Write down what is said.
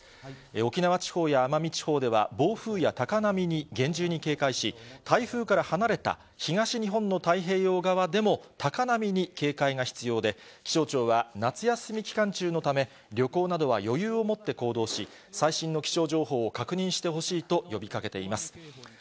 沖縄地方や奄美地方では、暴風や高波に厳重に警戒し、台風から離れた東日本の太平洋側でも高波に警戒が必要で、気象庁は夏休み期間中のため、旅行などは余裕を持って行動し、最新の気象情報を確認してほしいと呼びかけています。